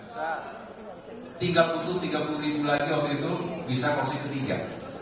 rp tiga puluh rp tiga puluh lagi waktu itu bisa kursi ketiga